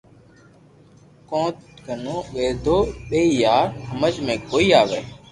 ڪو تو ووندو ٻيئي يار ھمج مي ڪوئي آوي